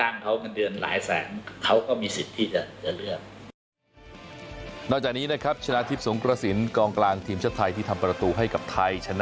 คือผมให้โอกาศทั้งต่อยทั้งโค้ช